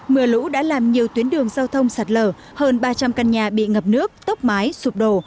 mưa lũ đã làm nhiều tuyến đường giao thông sạt lở hơn ba trăm linh căn nhà bị ngập nước tốc mái sụp đổ